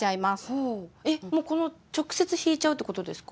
えっもうこの直接引いちゃうってことですか？